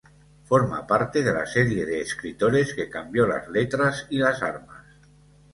Forma parte de la serie de escritores que cambió las letras y las armas.